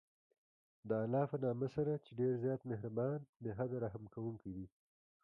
د الله په نامه سره چې ډېر زیات مهربان، بې حده رحم كوونكى دی.